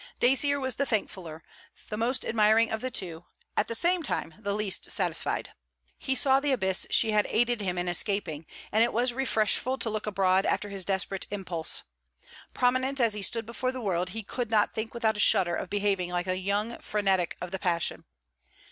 Dacier was the thankfuller, the most admiring of the two; at the same time the least satisfied. He saw the abyss she had aided him in escaping; and it was refreshful to look abroad after his desperate impulse. Prominent as he stood before the world, he could not think without a shudder of behaving like a young frenetic of the passion.